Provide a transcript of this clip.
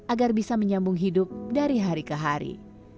agar bisa menyambung hidup dari hari ke hari